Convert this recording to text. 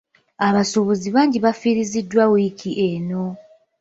Abasuubuzi bangi bafiiriziddwa wiiki eno.